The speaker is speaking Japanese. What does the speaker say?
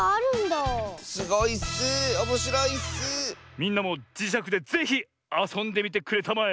みんなもじしゃくでぜひあそんでみてくれたまえ。